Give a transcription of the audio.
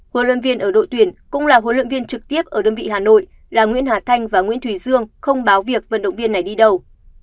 huấn luyện viên ở đội tuyển cũng là huấn luyện viên trực tiếp ở đơn vị hà nội là nguyễn hà thanh và nguyễn thùy dương không báo việc vận động viên này đi đầu